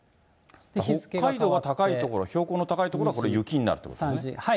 北海道は高い所、標高の高い所はこれ、雪になるということですね。